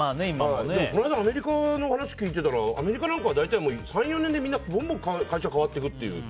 この間、アメリカの話聞いてたらアメリカなんかは大体３４年でぼんぼん会社、変わるっていう。